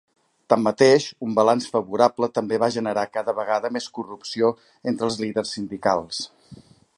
Tanmateix, un balanç favorable també va generar cada vegada més corrupció entre els líders sindicals.